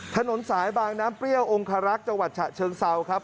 ถนนสายบางน้ำเปรี้ยวองคารักษ์จังหวัดฉะเชิงเซาครับ